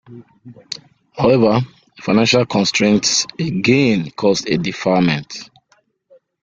However, financial constraints again caused a deferment.